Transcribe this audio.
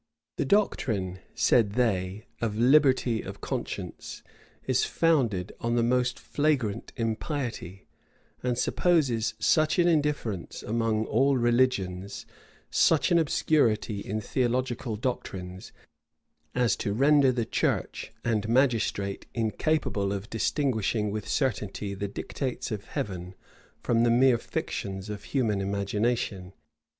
The doctrine, said they, of liberty of conscience, is founded on the most flagrant impiety, and supposes such an indifference among all religions, such an obscurity in theological doctrines, as to render the church and magistrate incapable of distinguishing with certainty the dictates of Heaven from the mere fictions of human imagination.